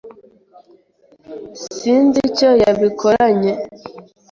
Sinzi icyo yabikoranye.